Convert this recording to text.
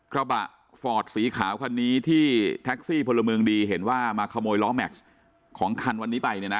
กระบะฟอร์ดสีขาวคันนี้ที่แท็กซี่พลเมืองดีเห็นว่ามาขโมยล้อแม็กซ์ของคันวันนี้ไปเนี่ยนะ